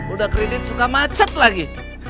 udah kredit suka macet lagi